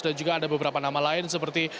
dan juga ada beberapa nama lain seperti